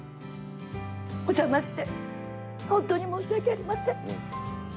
お邪魔して本当に申し訳ありません。